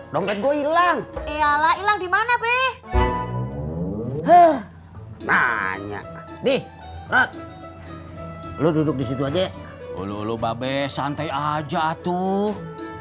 dompet gua ilang iyalah ilang di mana peh nanya nih lu duduk disitu aja ulu babes santai aja tuh